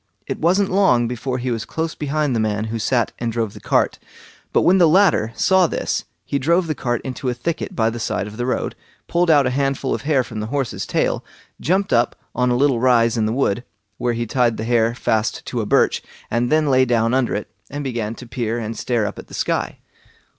It wasn't long before he was close behind the man who sat and drove the cart; but when the latter saw this he drove the cart into a thicket by the side of the road, pulled out a handful of hair from the horse's tail, jumped up on a little rise in the wood, where he tied the hair fast to a birch, and then lay down under it, and began to peer and stare up at the sky.